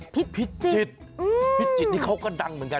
พิจิตค์เอ้อมพิจิตค์พิจิตค์นี่เขาก็ดังเหมือนกัน